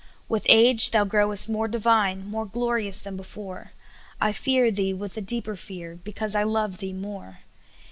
With age Thou growest more divine, More glorious than before, * I fear Thee with a deeper fear. Because I love Thee more.